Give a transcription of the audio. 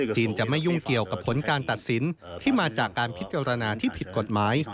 จะไม่ยุ่งเกี่ยวกับผลการตัดสินที่มาจากการพิจารณาที่ผิดกฎหมาย